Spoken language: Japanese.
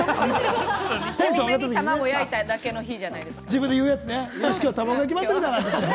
たまご焼いただけの日じゃないですか。